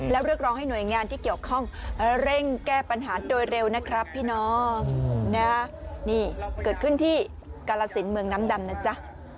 แล้วเรียกร้องให้หน่วยงานที่เกี่ยวข้องเร่งแก้ปัญหาโดยเร็วนะครับพี่น้องนะนี่เกิดขึ้นที่กาลสินเมืองน้ำดำนะจ๊ะ